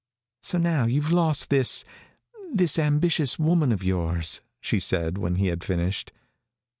"So now you've lost this this ambitious woman of yours," she said when he had finished.